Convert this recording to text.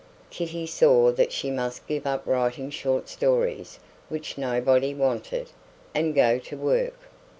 Kitty saw that she must give up writing short stories which nobody wanted, and go to work.